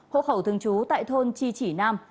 hộ khẩu thương chú tại thôn chi chỉ nam